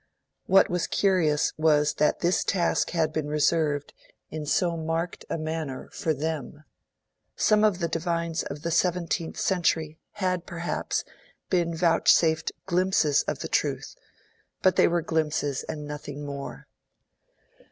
What was curious was that this task had been reserved, in so marked a manner, for them. Some of the divines of the seventeenth century had, perhaps, been vouchsafed glimpses of the truth; but they were glimpses and nothing more.